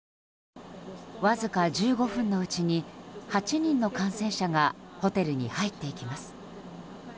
わずか１５分のうちに８人の感染者がホテルに入っていきます。